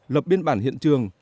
lập biên bản hiện trường